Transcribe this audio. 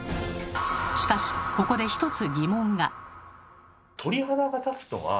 しかしここで一つ疑問が。